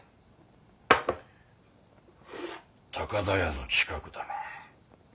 高田屋の近くだな。